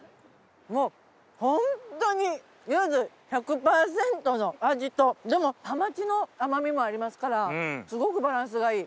もうホントにゆず１００％の味とでもハマチの甘みもありますからすごくバランスがいい。